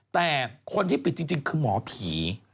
แต่คนที่ปิดจริงคือหมอผี